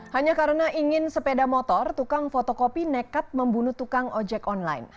hanya karena ingin sepeda motor tukang fotokopi nekat membunuh tukang ojek online